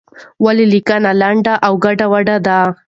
ولې لیکنه لنډه او ګډوډه ده؟